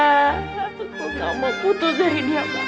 aku gak mau putus dari dia pak